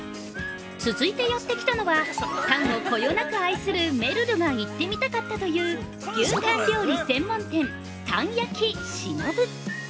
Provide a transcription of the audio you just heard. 続いて、やってきたのは、タンをこよなく愛するめるるが行ってみたかったという、牛タン料理専門店、たん焼忍。